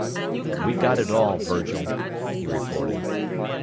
"We got it all, Virgil," he reported.